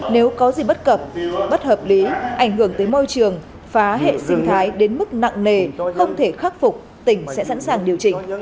nếu có gì bất cập bất hợp lý ảnh hưởng tới môi trường phá hệ sinh thái đến mức nặng nề không thể khắc phục tỉnh sẽ sẵn sàng điều chỉnh